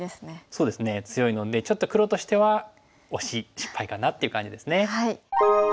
そうですね強いのでちょっと黒としては惜しい失敗かなっていう感じですね。